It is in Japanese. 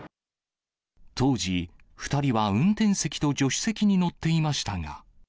当時、２人は運転席と助手席に乗っていましたが。